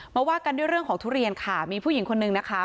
ว่ากันด้วยเรื่องของทุเรียนค่ะมีผู้หญิงคนนึงนะคะ